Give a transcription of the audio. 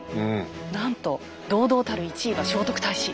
なんと堂々たる１位は聖徳太子。